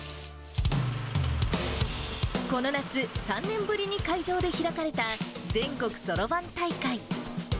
この夏、３年ぶりに会場で開かれた全国そろばん大会。